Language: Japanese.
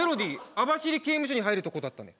網走刑務所に入るとこだったの？